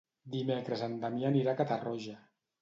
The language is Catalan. Dimecres en Damià anirà a Catarroja.